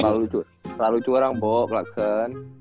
selalu itu orang bawa klakson